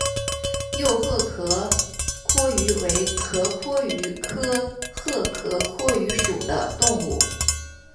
幼赫壳蛞蝓为壳蛞蝓科赫壳蛞蝓属的动物。